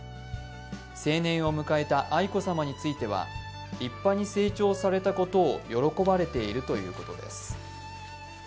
成年を迎えた愛子さまについては立派に成長されたことを喜ばれているということです。